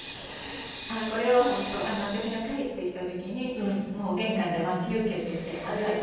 あっこれは本当私が帰ってきた時にもう玄関で待ち受けてて「おめでとう」って。